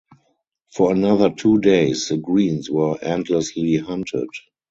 For another two days the greens were endlessly hunted.